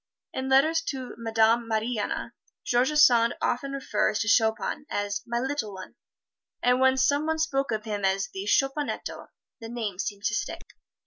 In letters to Madame Mariana, George Sand often refers to Chopin as "My Little One," and when some one spoke of him as "The Chopinetto," the name seemed to stick.